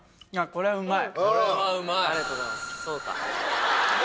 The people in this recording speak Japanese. これはうまい！